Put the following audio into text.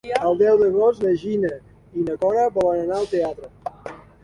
El deu d'agost na Gina i na Cora volen anar al teatre.